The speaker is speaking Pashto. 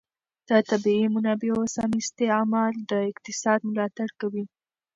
د طبیعي منابعو سم استعمال د اقتصاد ملاتړ کوي.